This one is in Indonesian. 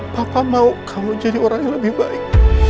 papa mau kalau jadi orang yang lebih baik